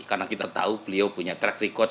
karena kita tahu beliau punya track record